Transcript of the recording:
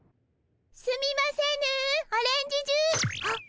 すみませぬオレンジジュハッ！